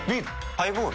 ハイボール？